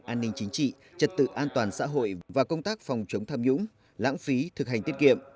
an ninh chính trị trật tự an toàn xã hội và công tác phòng chống tham nhũng lãng phí thực hành tiết kiệm